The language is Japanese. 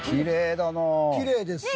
きれいですよね。